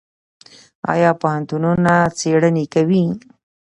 آیا پوهنتونونه څیړنې کوي؟